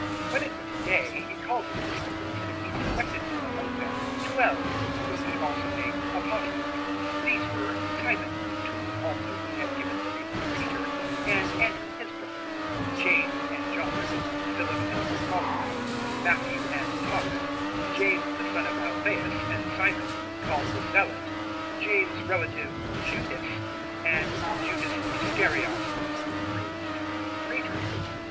006:013 When it was day, He called His disciples; and He selected from among them twelve, whom He also named Apostles. 006:014 These were Simon, to whom also He had given the name of Peter, and Andrew his brother; James and John; Philip and Bartholomew; 006:015 Matthew and Thomas; James the son of Alphaeus and Simon called the Zealot; 006:016 James's relative Judas, and Judas Iscariot who proved to be a traitor.